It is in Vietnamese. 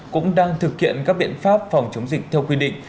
cũng đang thực hiện các biện pháp phòng chống dịch theo quy định